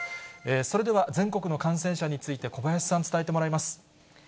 それでは全国の感染者について、小林さん、伝えてもらいます。